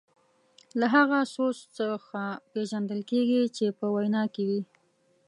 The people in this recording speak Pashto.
له هغه سوز څخه پېژندل کیږي چې په وینا کې وي.